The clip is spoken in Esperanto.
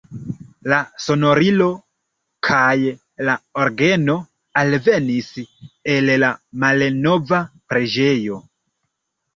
La sonorilo kaj la orgeno alvenis el la malnova preĝejo.